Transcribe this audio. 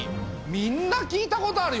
みんな聞いたことあるよ。